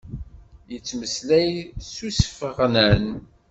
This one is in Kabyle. Yettmeslay s usfeɣnen.